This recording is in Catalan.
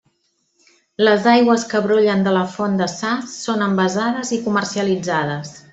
Les aigües que brollen de la font de Sas són envasades i comercialitzades.